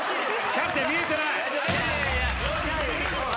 キャプテン見えてない！